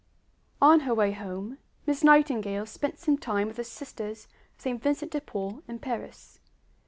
On her way home, Miss Nightingale spent some time with the Sisters of St. Vincent de Paul in Paris.